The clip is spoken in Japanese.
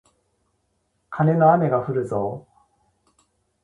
カネの雨がふるぞー